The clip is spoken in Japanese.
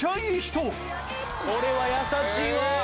これは優しいわ。